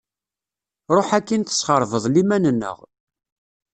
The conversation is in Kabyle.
Ruḥ akin tesxerbeḍ liman-nneɣ.